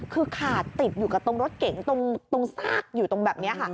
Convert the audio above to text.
คือขาติดอยู่กับรถเก๋งตรงสร้างอยู่ตรงแบบนี้